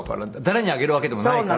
誰にあげるわけでもないから。